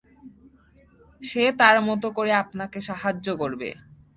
সে তার মতো করে আপনাকে সাহায্য করবে।